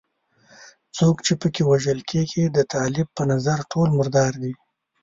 څوک چې په کې وژل کېږي د طالب په نظر ټول مردار دي.